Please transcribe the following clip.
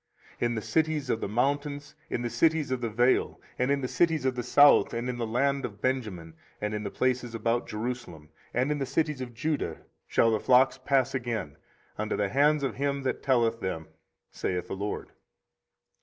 24:033:013 In the cities of the mountains, in the cities of the vale, and in the cities of the south, and in the land of Benjamin, and in the places about Jerusalem, and in the cities of Judah, shall the flocks pass again under the hands of him that telleth them, saith the LORD.